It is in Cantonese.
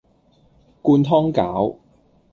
灌湯餃